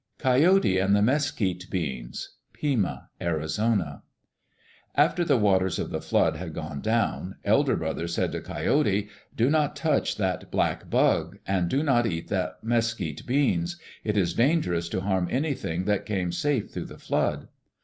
Coyote and the Mesquite Beans Pima (Arizona) After the waters of the flood had gone down, Elder Brother said to Coyote, "Do not touch that black bug; and do not eat the mesquite beans. It is dangerous to harm anything that came safe through the flood."